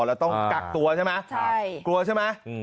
แล้วต้องกักตัวใช่ไหม